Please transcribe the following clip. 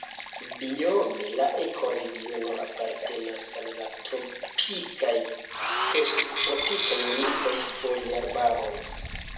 Biome la ekoregiono apartenas al la tropikaj kaj subtropikaj humidaj foliarbaroj.